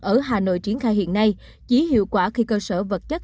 ở hà nội triển khai hiện nay chỉ hiệu quả khi cơ sở vật chất